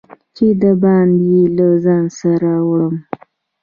چې د باندي یې له ځان سره وړم